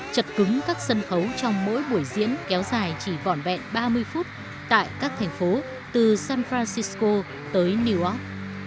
chật cứng các sân khấu trong mỗi buổi diễn kéo dài chỉ vỏn vẹn ba mươi phút tại các thành phố từ san francisco tới new york